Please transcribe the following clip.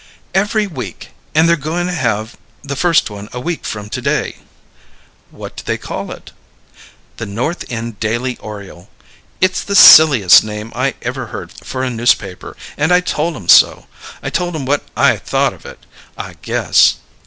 "Every week; and they're goin' to have the first one a week from to day." "What do they call it?" "The North End Daily Oriole. It's the silliest name I ever heard for a newspaper; and I told 'em so. I told 'em what I thought of it, I guess!"